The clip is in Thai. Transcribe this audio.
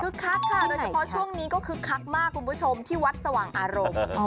คือคักค่ะโดยเฉพาะช่วงนี้ก็คึกคักมากคุณผู้ชมที่วัดสว่างอารมณ์